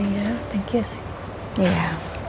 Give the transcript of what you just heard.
pokoknya rina mama titip untuk jagain omaya ya